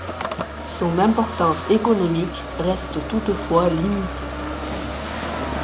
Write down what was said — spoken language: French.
Son importance économique reste toutefois limitée.